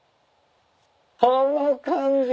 この感じ。